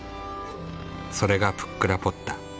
それがプックラポッタ。